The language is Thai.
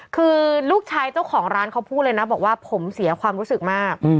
คือลูกชายเจ้าของร้านเขาพูดเลยนะบอกว่าผมเสียความรู้สึกมาก